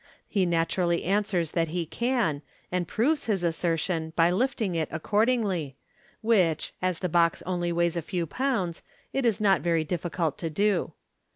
He naturally answers that he can, and proves his assertion by lifting it accordingly, which, as the box only weighs a few pounds, it is not very difficult to do.